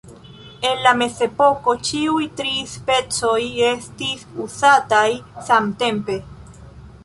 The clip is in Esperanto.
En la Mezepoko ĉiuj tri specoj estis uzataj samtempe.